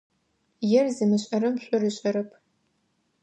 Ер зымышӏэрэм шӏур ышӏэрэп.